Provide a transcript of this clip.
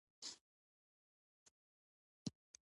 د حکومت تعریف د پخوا په نسبت بدل شوی دی.